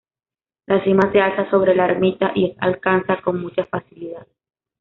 La cima se alza sobre la ermita y es alcanza con mucha facilidad.